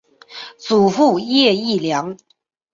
祖父叶益良。